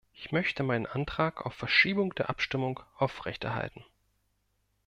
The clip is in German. Ich möchte meinen Antrag auf Verschiebung der Abstimmung aufrechterhalten.